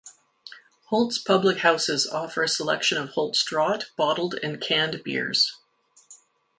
Holt's public houses offer a selection of Holt's draught, bottled and canned beers.